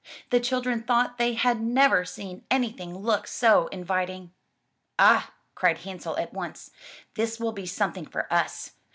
The children thought they had never seen anything look so inviting. "Ah," cried Hansel at once, "this will be something for us!